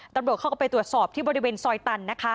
ตำรวจเขาก็ไปตรวจสอบที่บริเวณซอยตันนะคะ